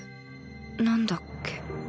何だっけ。